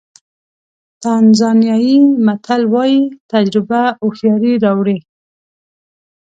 تانزانیایي متل وایي تجربه هوښیاري راوړي.